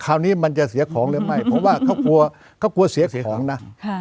คราวนี้มันจะเสียของหรือไม่เพราะว่าเขากลัวเสียของนะ